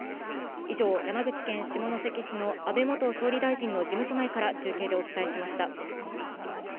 以上、山口県下関市の安倍元総理大臣の事務所前から中継でお伝えしまし